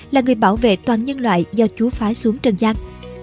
là người bảo vệ toàn nhân loại do chú phái xuống trần giang